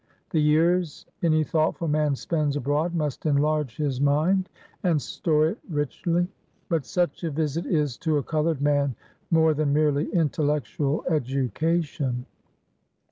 The years any thoughtful man spends abroad must enlarge his mind and store it richly. But such a visit is, to a colored man, more than merely intellectual education.